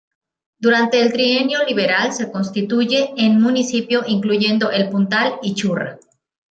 Durante el trienio liberal se constituye en municipio incluyendo El Puntal y Churra.